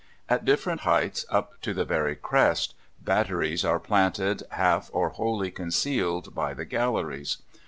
At different heights, up to the very crest, batteries are planted, half or wholly concealed by the galleries.